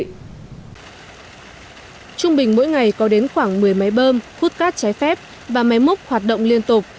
trung bình mỗi ngày có đến khoảng một mươi máy bơm hút cát trái phép và máy múc hoạt động liên tục